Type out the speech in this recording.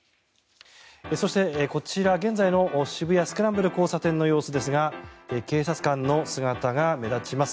そして、こちら現在の渋谷スクランブル交差点の様子ですが警察官の姿が目立ちます。